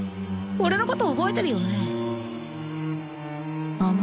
俺のこと覚えてるよね？